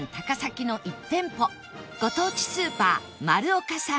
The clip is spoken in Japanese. ご当地スーパーまるおかさん